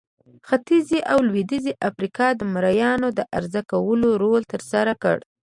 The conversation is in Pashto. ختیځې او لوېدیځې افریقا د مریانو د عرضه کولو رول ترسره کړ.